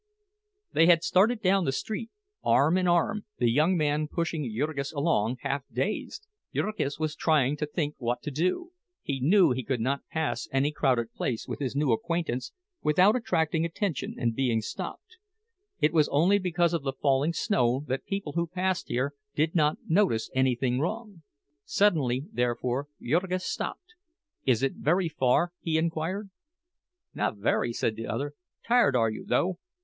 They had started down the street, arm in arm, the young man pushing Jurgis along, half dazed. Jurgis was trying to think what to do—he knew he could not pass any crowded place with his new acquaintance without attracting attention and being stopped. It was only because of the falling snow that people who passed here did not notice anything wrong. Suddenly, therefore, Jurgis stopped. "Is it very far?" he inquired. "Not very," said the other, "Tired, are you, though?